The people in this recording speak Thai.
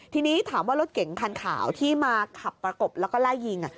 ทีนี้ถามว่ารถเก๋งคันขาวที่มาขับประกบแล้วก็ไล่ยิง